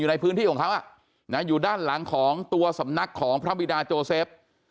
ในพื้นที่ของเขาอยู่ด้านหลังของตัวสำนักของพระบิดาโจเซฟ